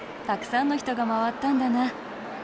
たくさんの人が回ったんだな。